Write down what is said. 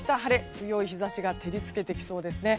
強い日差しが照り付けてきそうですね。